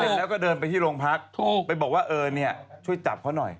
แล้วก็เดินไปที่โรงพักไปบอกว่าเออเนี่ยช่วยจับเขาหน่อย